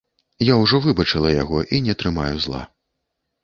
Я ўжо выбачыла яго і не трымаю зла.